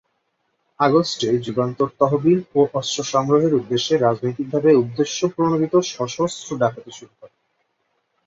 আগস্টে যুগান্তর তহবিল ও অস্ত্র সংগ্রহের উদ্দেশ্যে রাজনৈতিকভাবে উদ্দেশ্যপ্রণোদিত সশস্ত্র ডাকাতি শুরু করে।